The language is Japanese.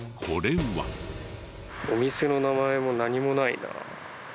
お店の名前も何もないな。